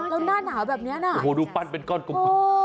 แล้วหน้าหนาวแบบนี้นะโอ้โหดูปั้นเป็นก้อนกลม